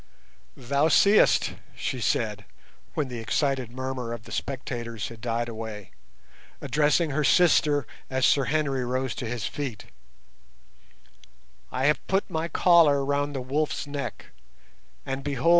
"Thou seest," she said, when the excited murmur of the spectators had died away, addressing her sister as Sir Henry rose to his feet, "I have put my collar round the 'wolf's' neck, and behold!